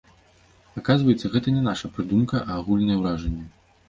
Аказваецца, гэта не наша прыдумка, а агульнае ўражанне.